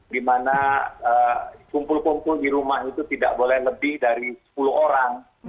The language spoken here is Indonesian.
dimana kumpul kumpul di rumah itu tidak boleh lebih dari sepuluh orang